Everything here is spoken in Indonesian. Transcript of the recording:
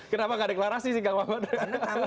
kenapa gak deklarasi sih kang maman